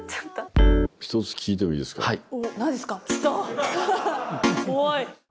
はい。